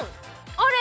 あれ！